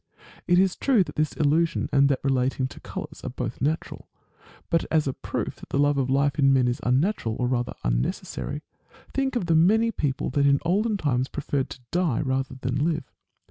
It is true that this illusion and that relating to colours are both natural. But as a proof that the love of life in men is unnatural, or rather unnecessary, think of the many people that in olden times preferred to die rather than live.